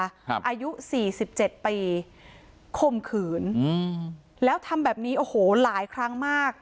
อายุสี่สิบเจ็ดปีข่มขืนอืมแล้วทำแบบนี้โอ้โหหลายครั้งมาก